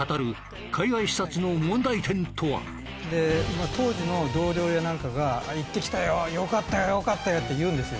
まあ当時の同僚やなんかが「行ってきたよ良かったよ」って言うんですよ